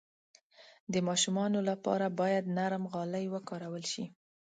د ماشومانو لپاره باید نرم غالۍ وکارول شي.